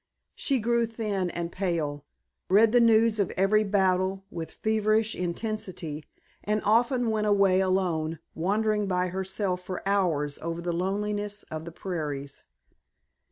She grew thin and pale, read the news of every battle with feverish intensity, and often went away alone, wandering by herself for hours over the loneliness of the prairies.